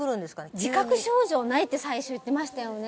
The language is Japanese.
急に自覚症状ないって最初言ってましたよね？